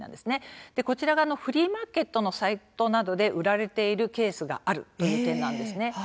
こちらがフリーマーケットのサイトなどで売られているケースがあるという件なんです。